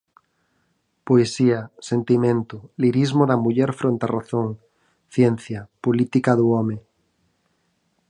Poesía, sentimento, lirismo da muller fronte á razón, ciencia, política do home.